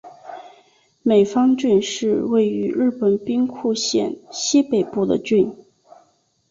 美方郡是位于日本兵库县西北部的郡。